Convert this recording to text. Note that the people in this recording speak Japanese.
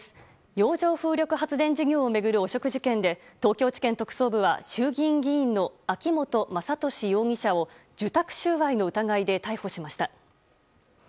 洋上風力発電事業を巡る汚職事件で東京地検特捜部は衆議院議員の秋本真利容疑者を受託収賄の疑いで逮捕しました。